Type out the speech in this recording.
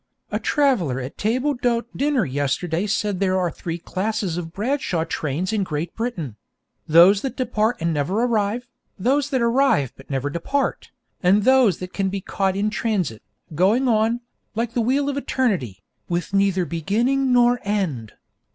A traveller at table d'hôte dinner yesterday said there are three classes of Bradshaw trains in Great Britain: those that depart and never arrive, those that arrive but never depart, and those that can be caught in transit, going on, like the wheel of eternity, with neither beginning nor end.